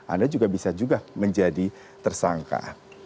anda juga bisa juga menjadi tersangka